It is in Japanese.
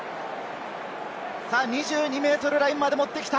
２２ｍラインまで持ってきた！